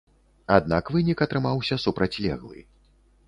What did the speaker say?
Аднак вынік атрымаўся супрацьлеглы.